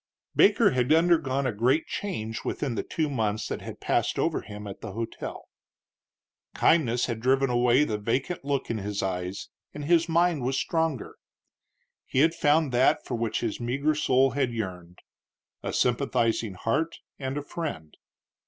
Baker had undergone a great change within the two months that had passed over him at the hotel. Kindness had driven away the vacant look in his eyes and his mind was stronger. He had found that for which his meagre soul had yearned a sympathizing heart and a friend.